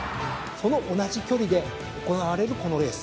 その同じ距離で行われるこのレース。